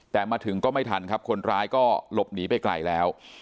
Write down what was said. แต่มาถึงก็ไม่ทันครับคนร้ายก็หลบหนีไปไกลแล้ว